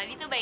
aku juga mau